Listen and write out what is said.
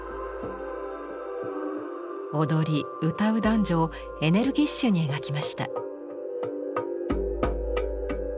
踊り歌う男女をエネルギッシュに描きました。